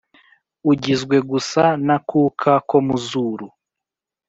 ugizwe gusa n’akuka ko mu zuru!